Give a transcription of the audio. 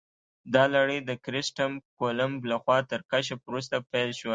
دا لړۍ د کریسټف کولمب لخوا تر کشف وروسته پیل شوه.